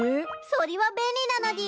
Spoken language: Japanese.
そりは便利なのでぃす。